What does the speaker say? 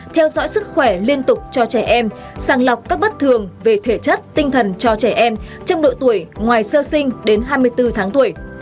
theo dõi sức khỏe liên tục cho trẻ em sàng lọc các bất thường về thể chất tinh thần cho trẻ em trong độ tuổi ngoài sơ sinh đến hai mươi bốn tháng tuổi